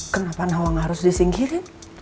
kenapa nawang harus disingkirin